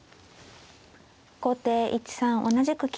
後手１三同じく金。